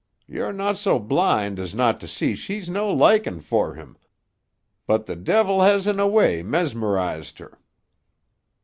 You're no' so blind as not to see she's no liking for him, but the de'il has in a way mesmerised her."